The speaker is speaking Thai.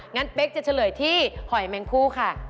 งั้นเป๊กจะเฉลยที่หอยแมงพู่ค่ะ